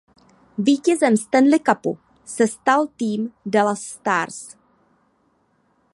Vítězem Stanley Cupu se stal tým Dallas Stars.